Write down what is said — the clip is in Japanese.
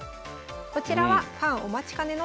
こちらはファンお待ちかねの抽選会です。